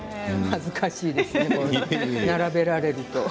恥ずかしいですね並べられると。